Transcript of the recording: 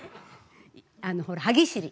あのほら歯ぎしり。